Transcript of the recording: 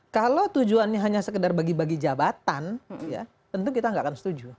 kalau tujuannya hanya sekedar bagi bagi jabatan ya tentu kita nggak akan setuju